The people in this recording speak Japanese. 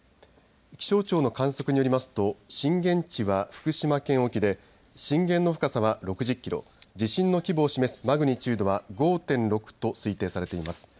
気象庁の観測によりますと震源地は福島県沖で震源の深さは６０キロ、地震の規模を示すマグニチュードは５．６と推定されています。